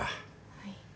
はい。